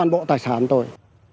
bộ tài sản tôi